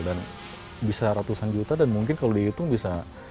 dan bisa ratusan juta dan mungkin kalau dihitung bisa